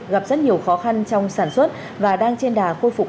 gặp rất nhiều khó khăn trong sản xuất và đang trên đà khôi phục